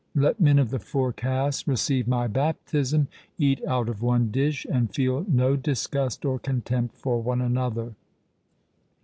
Let men of the four castes receive my baptism, eat out of one dish, and feel no disgust or contempt for one another.'